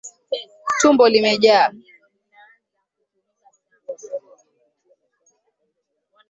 Tumbo limejaa.